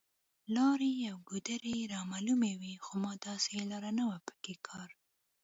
لارې او ګودرې رامعلومې وې، خو ما داسې لار نه وه په کار.